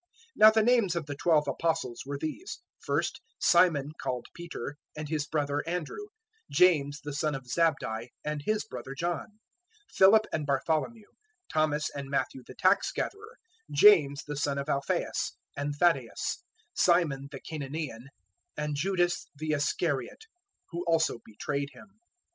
010:002 Now the names of the twelve Apostles were these: first, Simon called Peter, and his brother Andrew; James the son of Zabdi, and his brother John; 010:003 Philip and Bartholomew, Thomas and Matthew the tax gatherer, James the son of Alphaeus, and Thaddaeus; 010:004 Simon the Cananaean, and Judas the Iscariot, who also betrayed Him.